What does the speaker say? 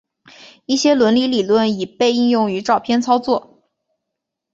一些伦理理论已被应用于照片操作。